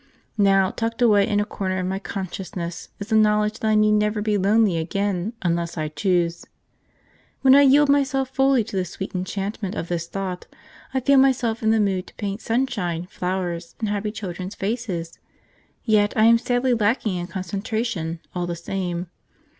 Now, tucked away in a corner of my consciousness is the knowledge that I need never be lonely again unless I choose. When I yield myself fully to the sweet enchantment of this thought, I feel myself in the mood to paint sunshine, flowers, and happy children's faces; yet I am sadly lacking in concentration, all the same.